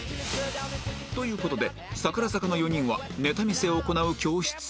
という事で櫻坂の４人はネタ見せを行う教室へ移動